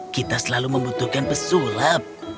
kita selalu membutuhkan pesulap